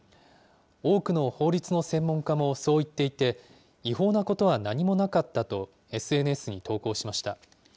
多くの法律の専門家もそう言っていて、違法なことは何もなかったと、ＳＮＳに投稿しました。